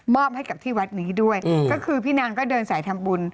ให้กับที่วัดนี้ด้วยก็คือพี่นางก็เดินสายทำบุญ